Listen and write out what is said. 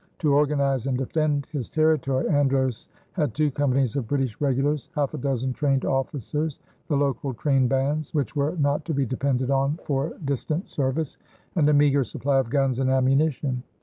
To organize and defend his territory, Andros had two companies of British regulars, half a dozen trained officers, the local train bands, which were not to be depended on for distant service, and a meager supply of guns and ammunition.